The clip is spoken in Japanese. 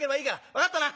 分かったな？」。